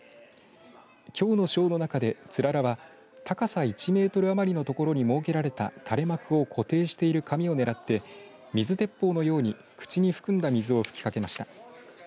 きょうのショーの中でツララは高さ１メートル余りの所に設けられた垂れ幕を固定している紙を狙って水鉄砲のように口に含んだ水を噴きかけました。